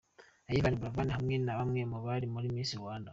Yvan Buravan hamwe na bamwe mu bari muri Miss Rwanda.